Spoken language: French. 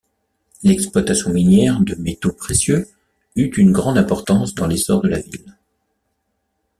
L'exploitation minière de métaux précieux eut une grande importance dans l'essor de la ville.